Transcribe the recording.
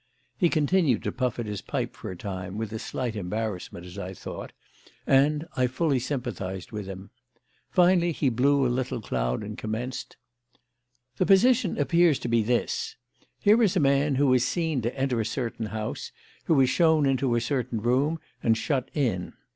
He continued to puff at his pipe for a time with slight embarrassment, as I thought and I fully sympathised with him. Finally he blew a little cloud and commenced: "The position appears to be this: Here is a man who is seen to enter a certain house, who is shown into a certain room and shut in.